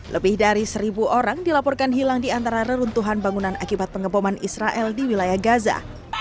lebih dari seribu orang dilaporkan hilang di antara reruntuhan bangunan akibat pengeboman israel di wilayah gaza